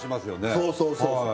そうそうそうそう。